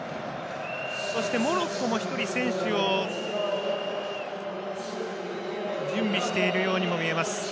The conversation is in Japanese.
モロッコも選手を準備しているように見えます。